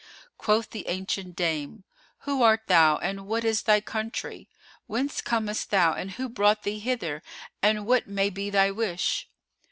Quoth the ancient dame, "Who art thou and what is thy country; whence comest thou and who brought thee hither and what may be thy wish?